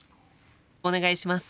お願いします。